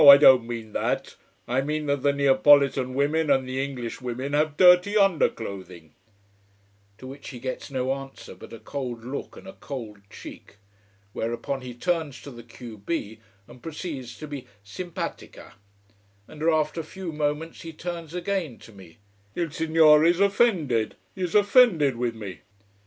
I don't mean that. I mean that the Neapolitan women and the English women have dirty underclothing " To which he gets no answer but a cold look and a cold cheek. Whereupon he turns to the q b, and proceeds to be simpatica. And after a few moments he turns again to me: "Il signore is offended! He is offended with me."